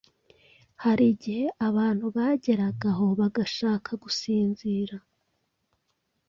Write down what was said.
hari igihe abantu bageraga aho bagashaka gusinzira